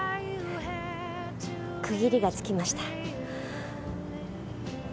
区切りがつきました。